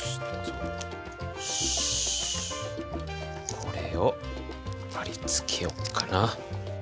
これをはり付けよっかな。